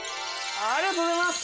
ありがとうございます。